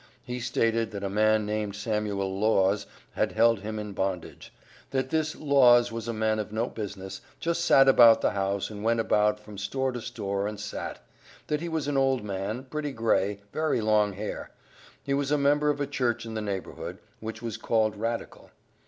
He stated, that a man named Samuel Laws had held him in bondage that this "Laws was a man of no business just sat about the house and went about from store to store and sat; that he was an old man, pretty grey, very long hair. He was a member of a church in the neighborhood, which was called Radical."